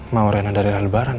mau rena dari lebaran ya